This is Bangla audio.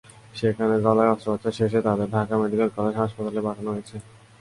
সেখানে গলায় অস্ত্রোপচার শেষে তাঁদের ঢাকা মেডিকেল কলেজ হাসপাতালে পাঠানো হয়েছে।